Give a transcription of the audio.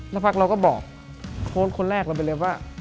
แล้วพักเราก็บอกโค้ดคนแรกเราไปเลยว่า